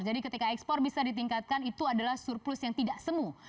jadi ketika ekspor bisa ditingkatkan itu adalah surplus yang tidak semu